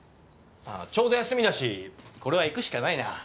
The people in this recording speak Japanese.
ちょうど休みだしこれは行くしかないな。